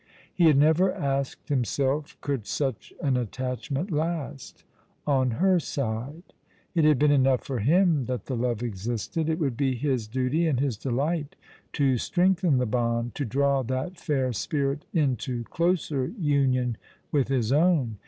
He had never asked himself could such an attachment last — on her side ? It had been enough for him that the love existed. It would be his duty and his delight to strengthen the bond, to draw that fair spirit into closer union with his own.